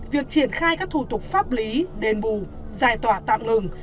việc triển khai các thủ tục pháp lý đền bù giải tỏa tạm ngừng